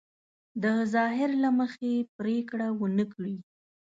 د ظاهر له مخې پرېکړه ونه کړي.